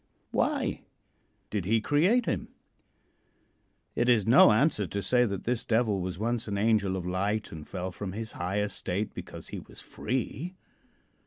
Why did he create him? It is no answer to say that this Devil was once an angel of light and fell from his high estate because he was free.